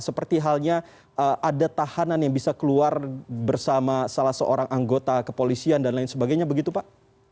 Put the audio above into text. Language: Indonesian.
seperti halnya ada tahanan yang bisa keluar bersama salah seorang anggota kepolisian dan lain sebagainya begitu pak